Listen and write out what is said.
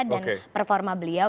dan performa beliau